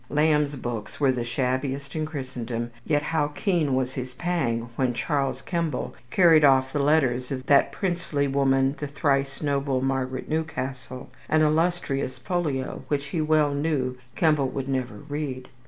Lamb's books were the shabbiest in Christendom; yet how keen was his pang when Charles Kemble carried off the letters of "that princely woman, the thrice noble Margaret Newcastle," an "illustrious folio" which he well knew Kemble would never read.